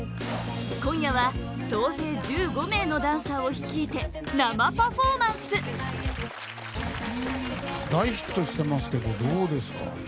今夜は総勢１５名のダンサーを率いて生パフォーマンス大ヒットしてますけどどうですか？